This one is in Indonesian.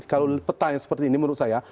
kalau petanya seperti ini menurut saya